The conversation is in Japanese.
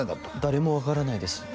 誰も分からないです